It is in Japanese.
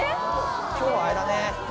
今日あれだね。